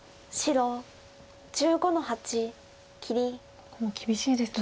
ここも厳しいですね。